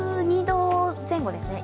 １２度前後ですね。